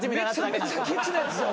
めちゃめちゃけちなやつじゃん